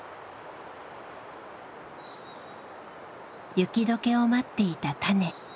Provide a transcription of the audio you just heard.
雪どけを待っていた種。